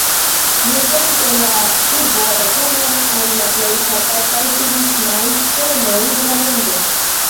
Nuntempe la urbo apartenas al la plej ŝatataj turismaj celoj de la mondo.